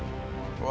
うわ！